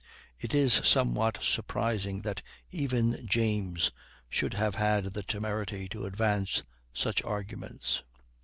It is somewhat surprising that even James should have had the temerity to advance such arguments.